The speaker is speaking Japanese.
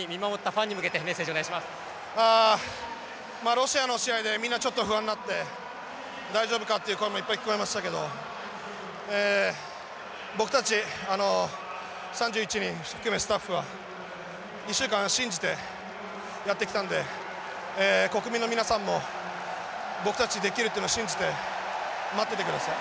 ロシアの試合でみんなちょっと不安になって大丈夫か？っていう声もいっぱい聞こえましたけど僕たち３１人含めスタッフは１週間信じてやってきたんで国民の皆さんも僕たちできるっていうのを信じて待っていてください。